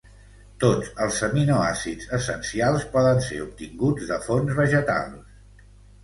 Tots els aminoàcids essencials poden ser obtinguts de fonts vegetals.